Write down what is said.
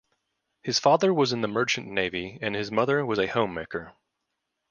His father was in the merchant navy and his mother was a homemaker.